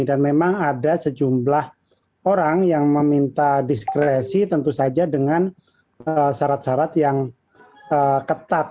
dan memang ada sejumlah orang yang meminta diskresi tentu saja dengan syarat syarat yang ketat